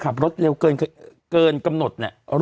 ขับรถเกินกำหนด